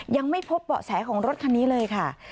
ยังไม่พบเบาะแสของรถคันนี้เลยค่ะ